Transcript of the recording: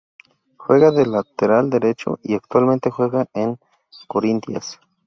Juega de lateral derecho y actualmente juega en Corinthians.